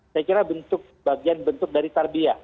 saya kira bentuk bagian bentuk dari tarbiah